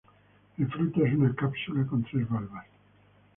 El fruto es una cápsula con tres valvas.